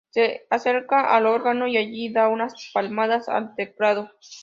Se acerca al órgano y allí da unas palmadas al teclado.